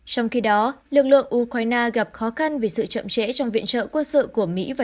trong khi đó lực lượng ukraine gặp khó khăn vì sự chậm trễ trong viện trợ quân sự của mỹ và